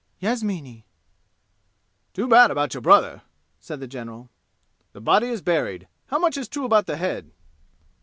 Yasmini." "Too bad about your brother," said the general. "The body is buried. How much is true about the head?"